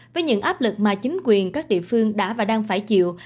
với những áp lực mà chính quyền các địa phương đã và đang phải chịu